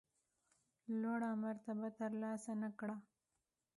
لوړه مرتبه ترلاسه نه کړه.